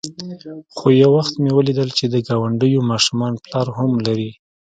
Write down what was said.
خو يو وخت مې وليدل چې د گاونډيو ماشومان پلار هم لري.